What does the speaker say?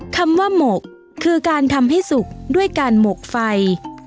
คำว่าหมกคือการทำให้สุกด้วยการหมกไฟ